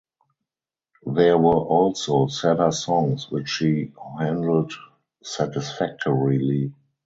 There were also sadder songs which she handled satisfactorily.